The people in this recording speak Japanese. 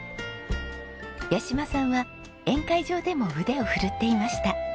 八島さんは宴会場でも腕を振るっていました。